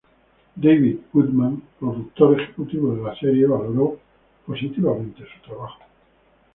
David A. Goodman, productor ejecutivo de la serie valoró positivamente su trabajo.